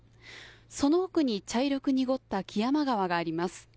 その奥に茶色く濁った木山川があります。